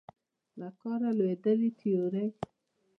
له کاره لوېدلې تیورۍ